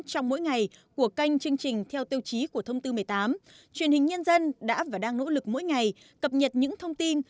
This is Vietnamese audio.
trong mỗi ngày của kênh chương trình theo tiêu chí của thông tư một mươi tám truyền hình nhân dân đã và đang nỗ lực mỗi ngày cập nhật những thông tin